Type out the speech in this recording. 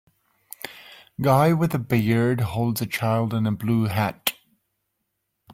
Guy with a beard holds a child in a blue hat.